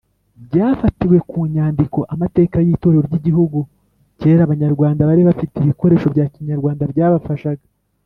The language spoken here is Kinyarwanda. byafatiwe ku nyandiko “amateka y’itorero ry’igihugu” kera abanyawanda bari bafite ibikoresho bya kinyarwanda byabafashaga